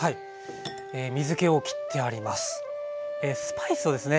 スパイスをですね